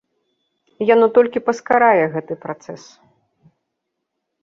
Яно толькі паскарае гэты працэс.